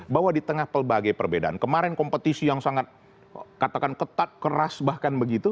bahwa di tengah pelbagai perbedaan kemarin kompetisi yang sangat katakan ketat keras bahkan begitu